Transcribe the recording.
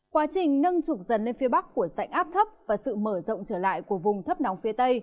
quá trình nâng trục dần lên phía bắc của dạnh áp thấp và sự mở rộng trở lại của vùng thấp nóng phía tây